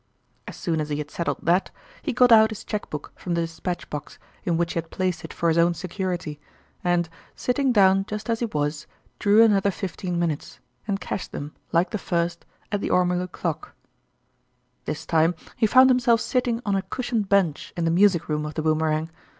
As soon as he had settled that, he got out his cheque book from the dispatch box, in which he had placed it for his own security, and, sit ting down just as he was, drew another fifteen minutes, and cashed them, like the first, at the ormolu clock. ... This time he found himself sitting on a cushioned bench in the music room of the Boomerang.